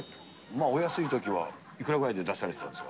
お安いときはいくらぐらいで出されてたんですか。